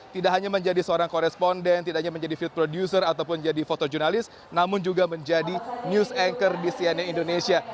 tidak hanya menjadi seorang koresponden tidak hanya menjadi field producer ataupun jadi fotojurnalis namun juga menjadi news anchor di cnn indonesia